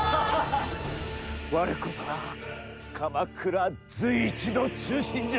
我こそが鎌倉随一の忠臣じゃ！